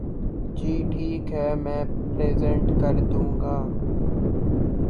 جی ٹھیک ہے میں پریزینٹ کردوں گا۔